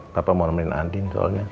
bapak mau nemenin andin soalnya